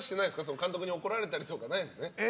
監督に怒られたりとかないですね？